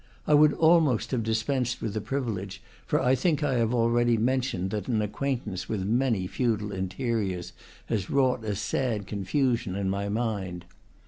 I would almost have dispensed with the privi lege, for I think I have already mentioned that an ac quaintance with many feudal interiors has wrought a sad confusion in my mind.